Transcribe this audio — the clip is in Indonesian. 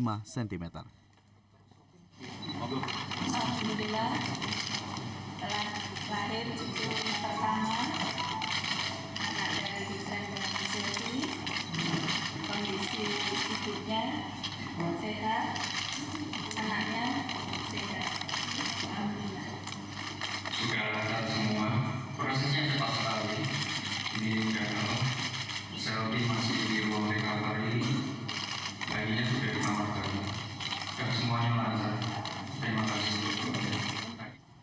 tapi semuanya lancar terima kasih